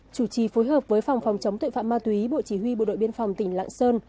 chủ trì phối hợp với phòng phòng chống tội phạm ma túy bộ chỉ huy bộ đội biên phòng tỉnh lạng sơn